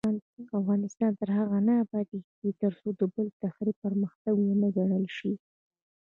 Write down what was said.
افغانستان تر هغو نه ابادیږي، ترڅو د بل تخریب پرمختګ ونه ګڼل شي.